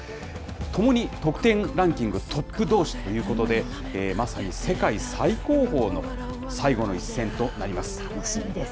ともに得点ランキングトップどうしということで、まさに世界最高峰の最後の一戦となります。